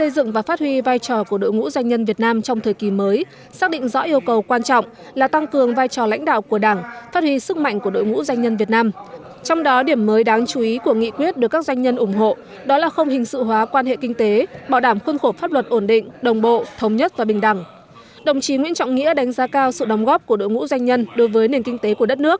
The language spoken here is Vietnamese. dự hội nghị có đồng chí nguyễn trọng nghĩa bí thư trung ương đảng trưởng bàn tuyên giáo trung ương đảng phó thủ tướng chính phủ